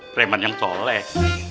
preman yang toleh